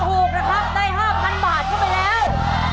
ถูกนะครับได้๕๐๐บาทเข้าไปแล้ว